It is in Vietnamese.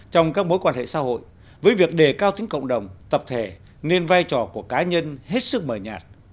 trong các mối quan hệ xã hội với việc đề cao tính cộng đồng tập thể nên vai trò của cá nhân hết sức mờ nhạt